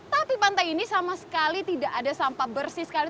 tapi pantai ini sama sekali tidak ada sampah bersih sekali